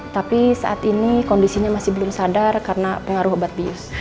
tapi saat ini kondisinya masih belum sadar karena pengaruh obat bius